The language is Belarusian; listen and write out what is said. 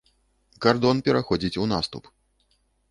Кардон пераходзіць у наступ.